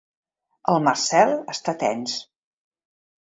El Marcel està tens.